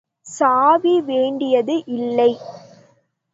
சாவி வேண்டியது இல்லை.